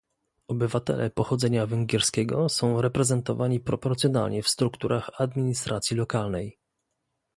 Obywatele pochodzenia węgierskiego są reprezentowani proporcjonalnie w strukturach administracji lokalnej